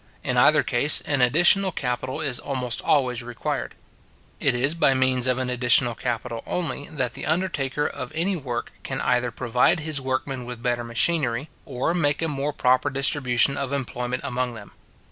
In either case, an additional capital is almost always required. It is by means of an additional capital only, that the undertaker of any work can either provide his workmen with better machinery, or make a more proper distribution of employment among them.